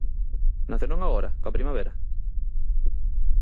¿Naceron agora, coa primavera?